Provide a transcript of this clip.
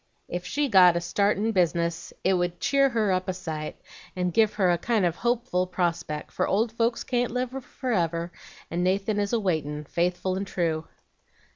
Ef she got a start in business it would cheer her up a sight, and give her a kind of a hopeful prospeck, for old folks can't live forever, and Nathan is a waitin', faithful and true.'